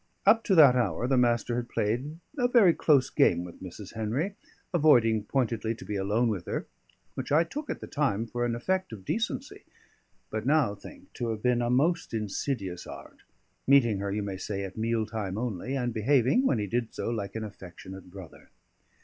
Up to that hour the Master had played a very close game with Mrs. Henry; avoiding pointedly to be alone with her, which I took at the time for an effect of decency, but now think to have been a most insidious art; meeting her, you may say, at meal time only; and behaving, when he did so, like an affectionate brother.